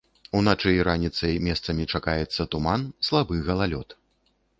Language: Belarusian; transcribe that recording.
Уначы і раніцай месцамі чакаецца туман, слабы галалёд.